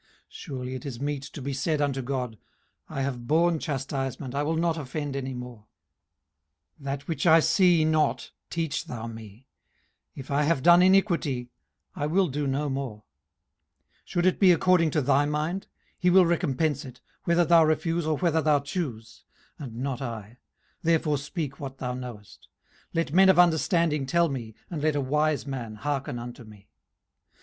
18:034:031 Surely it is meet to be said unto God, I have borne chastisement, I will not offend any more: 18:034:032 That which I see not teach thou me: if I have done iniquity, I will do no more. 18:034:033 Should it be according to thy mind? he will recompense it, whether thou refuse, or whether thou choose; and not I: therefore speak what thou knowest. 18:034:034 Let men of understanding tell me, and let a wise man hearken unto me.